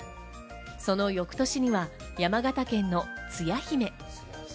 その翌年には山形県のつや姫。